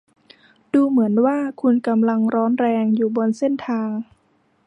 ดูเหมือนว่าคุณกำลังร้อนแรงอยู่บนเส้นทาง